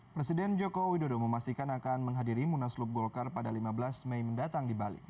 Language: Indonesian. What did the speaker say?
presiden joko widodo memastikan akan menghadiri munaslup golkar pada lima belas mei mendatang di bali